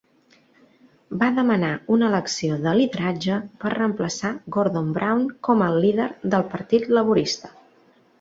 Va demanar una elecció de lideratge per reemplaçar Gordon Brown com al líder del Partit Laborista.